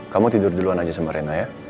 kamu tidur duluan aja sama rena ya